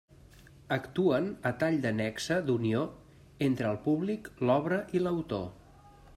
Actuen a tall de nexe d'unió entre el públic, l'obra i l'autor.